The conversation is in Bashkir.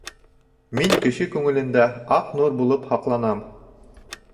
Мин кеше күңелендә аҡ нур булып һаҡланам.